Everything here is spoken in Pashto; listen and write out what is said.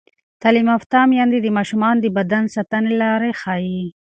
تعلیم یافته میندې د ماشومانو د بدن ساتنې لارې ښيي.